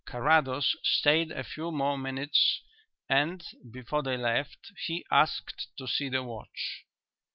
Carrados stayed a few more minutes and before they left he asked to see the watch.